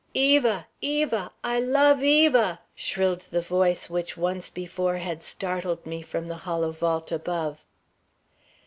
"Eva! Eva! I love Eva!" shrilled the voice which once before had startled me from the hollow vault above.